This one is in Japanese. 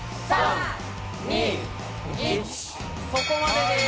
そこまでです。